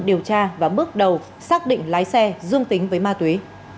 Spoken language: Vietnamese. điều tra và bước đầu xác định lái xe dương tính với ma túy